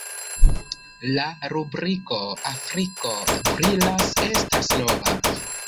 La rubriko "Afriko brilas" estas nova.